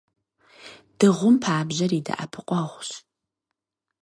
Дыгъум пабжьэр и дэӀэпыкъуэгъущ.